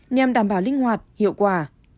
nhằm đảm bảo linh hoạt hiệu quả